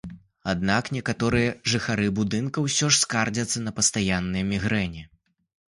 Аднак некаторыя жыхары будынка ўсё ж скардзяцца на пастаянныя мігрэні.